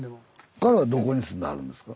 彼はどこに住んではるんですか？